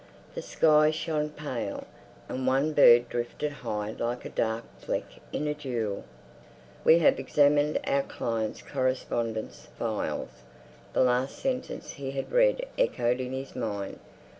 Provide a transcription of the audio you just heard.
The sky shone pale, and one bird drifted high like a dark fleck in a jewel. "We have examined our client's correspondence files...." The last sentence he had read echoed in his mind.